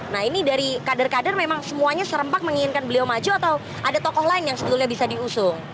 nah ini dari kader kader memang semuanya serempak menginginkan beliau maju atau ada tokoh lain yang sebetulnya bisa diusung